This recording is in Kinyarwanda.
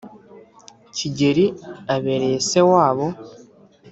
Kigeli abereye se wabo